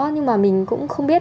nhưng mà mình cũng không biết